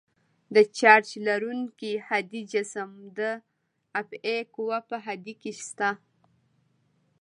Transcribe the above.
د چارج لرونکي هادي جسم د دافعې قوه په هادې کې شته.